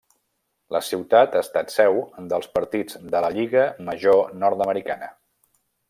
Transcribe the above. La ciutat ha estat seu de partits de la Lliga Major nord-americana.